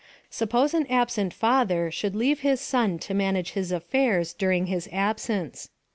Suppose an absent father should leave hia son to manage his affairs during his absence.